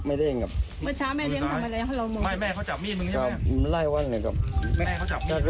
วะถึงนะไว้วันหนี่คืน